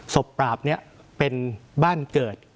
สบปราบเนี่ยเป็นบ้านเกิด